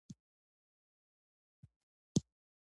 دځنګل حاصلات د ټولو افغان ښځو په ژوند کې رول لري.